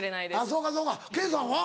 そうかそうかＫａｙさんは？